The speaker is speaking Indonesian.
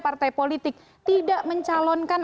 partai politik tidak mencalonkan